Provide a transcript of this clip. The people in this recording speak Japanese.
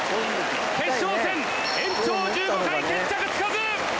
決勝戦延長１５回決着つかず！